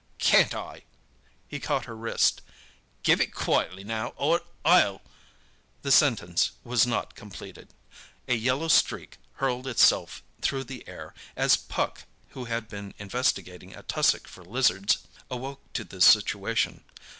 "Can't I!" He caught her wrist. "Give it quietly now, or I'll—" The sentence was not completed. A yellow streak hurled itself though the air, as Puck, who had been investigating a tussock for lizards, awoke to the situation.